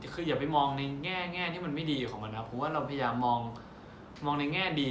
คืออย่าไปมองในแง่ที่มันไม่ดีของมันนะเพราะว่าเราพยายามมองในแง่ดี